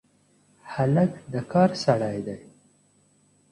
هلک د کار سړی دی.